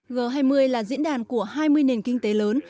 g hai mươi là diễn đàn của hai mươi nền kinh tế lớn